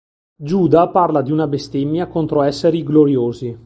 Giuda parla di una bestemmia contro esseri gloriosi.